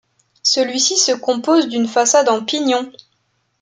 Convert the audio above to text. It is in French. Celui-ci se compose d'une façade en pignon.